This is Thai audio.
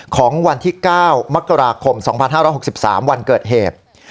ของวันที่๙มกราคม๒๕๖๓วันเกิดเหตุ